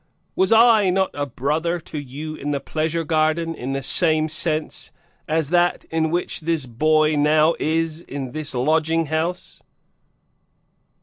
Was I not a 'brother' to you in the pleasure garden, in the same sense as that in which this boy now is in this lodging house?"